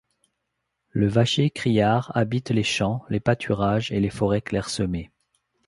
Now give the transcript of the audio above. Le Vacher criard habite les champs, les pâturages et les forêts clairsemées.